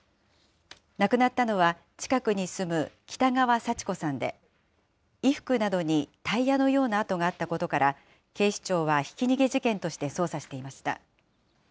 亡くなったのは、近くに住む北川幸子さんで、衣服などにタイヤのような跡があったことから、警視庁はひき逃げ事件として捜査していました。